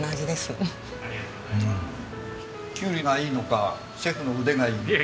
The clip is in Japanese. キュウリがいいのかシェフの腕がいいのか。